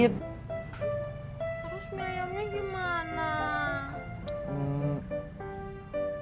terus mie ayamnya gimana